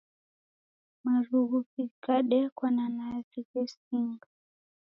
Marughu ghikadekwa na nazi ghesinga.